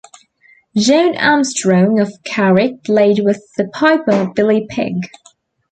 John Armstrong of Carrick played with the piper Billy Pigg.